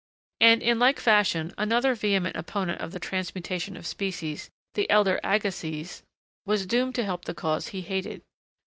And, in like fashion, another vehement opponent of the transmutation of species, the elder Agassiz, was doomed to help the cause he hated.